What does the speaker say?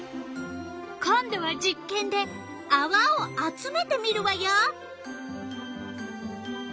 今度は実験であわを集めてみるわよ。